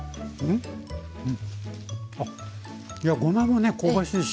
あごまもね香ばしいし。